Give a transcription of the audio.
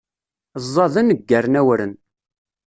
Ẓẓaden, ggaren awren.